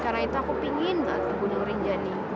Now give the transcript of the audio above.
karena itu aku pingin bakal dibunuh rinjani